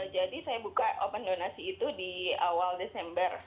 jadi saya buka open donasi itu di awal desember